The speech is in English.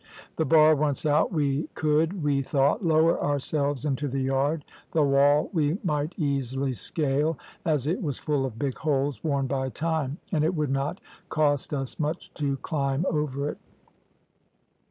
The bar once out we could, we thought, lower ourselves into the yard; the wall we might easily scale, as it was full of big holes worn by time, and it would not cost us much to climb over it.